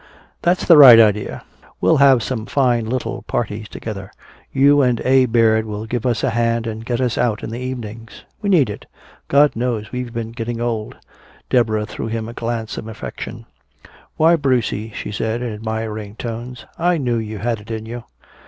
"That's the right idea. We'll have some fine little parties together. You and A. Baird will give us a hand and get us out in the evenings. We need it, God knows, we've been getting old." Deborah threw him a glance of affection. "Why, Brucie," she said, in admiring tones, "I knew you had it in you."